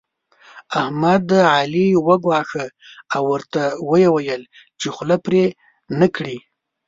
احمد؛ علي وګواښه او ورته ويې ويل چې خوله پرې نه کړې.